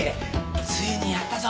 ついにやったぞ。